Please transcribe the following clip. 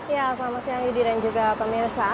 ya selamat siang yudi dan juga pemirsa